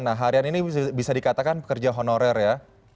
nah harian ini bisa dikatakan pekerja honorer ya